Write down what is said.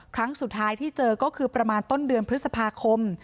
ครั้งสุดท้ายที่เจอก็คือประมาณต้นเดือนพฤษภาคม